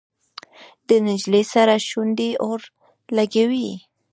د نجلۍ سرې شونډې اور لګوي.